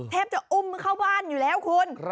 จะอุ้มมันเข้าบ้านอยู่แล้วคุณ